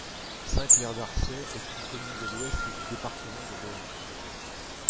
Saint-Clair-d'Arcey est une commune de l'Ouest du département de l'Eure.